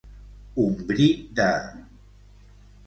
Un bri de.